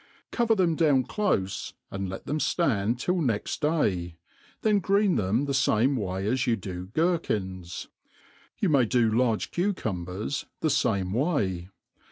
Cover them dowi) dofc, and let them ftand till next day, then green them the fame as you do gerkins. You may do large cucumbers the fame way.